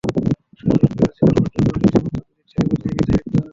শ্বশুরকে রাজি করানোর জন্য দুই জামাতা দুদিক থেকে প্রতিযোগিতায় লিপ্ত হয়।